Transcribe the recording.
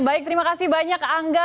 baik terima kasih banyak angga